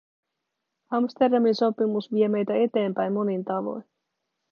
Amsterdamin sopimus vie meitä eteenpäin monin tavoin.